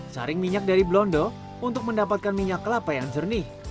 saring minyak dari blondo untuk mendapatkan minyak kelapa yang jernih